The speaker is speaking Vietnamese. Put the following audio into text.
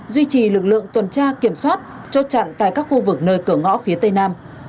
duy trì lực lượng tuần tra kiểm soát cho chặn tại các khu vực nơi cửa ngõ phía tây nam